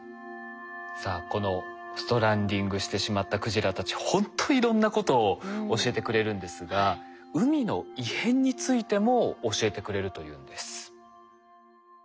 さあこのストランディングしてしまったクジラたちほんといろんなことを教えてくれるんですが海の異変についても教えてくれるというんです。